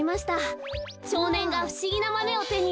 しょうねんがふしぎなマメをてにいれて。